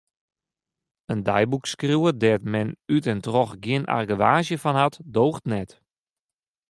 In deiboekskriuwer dêr't men út en troch gjin argewaasje fan hat, doocht net.